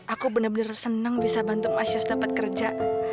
aku benar benar senang bisa bantu mas yos dapat kerja